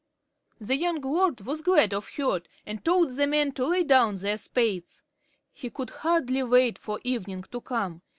The young lord was glad of heart, and told the men to lay down their spades. He could hardly wait for evening to come.